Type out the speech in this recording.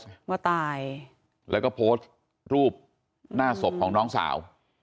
สิ่งที่โพสต์รูปหน้าศพของน้องสาว